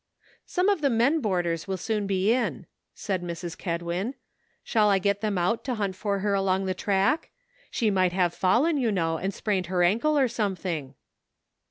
" Some of the men boarders will soon be in," said Mrs. Kedwin; "shall I get them out to hunt for her along the track ? She might have fallen, you know, and sprained her ankle or something."